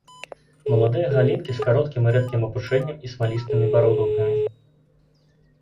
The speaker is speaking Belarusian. Маладыя галінкі з кароткім рэдкім апушэннем і смалістымі бародаўкамі.